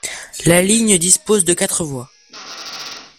La ligne dispose de quatre voies.